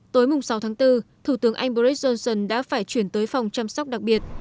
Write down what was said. tối sáu tháng bốn thủ tướng anh boris johnson đã phải chuyển tới phòng chăm sóc đặc biệt